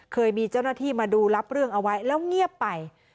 เคยมีเจ้าหน้าที่มาดูรับเรื่องเอาไว้แล้วเงียบไป